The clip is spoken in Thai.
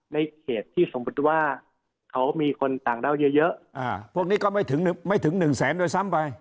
ในเขตที่สมมุติว่าเขามีคนต่างด้าวเยอะพวกนี้ก็ไม่ถึงหนึ่งแสนด้วยซ้ำไป